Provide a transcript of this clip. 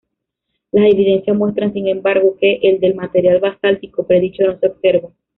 Las evidencias muestran, sin embargo, que el del material basáltico predicho no se observa.